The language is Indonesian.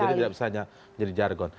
jadi tidak bisa jadi jargon